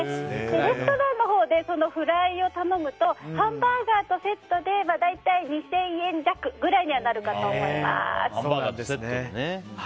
レストランのほうでフライを頼むとハンバーガーとセットで大体２０００円弱くらいにはなるかと思います。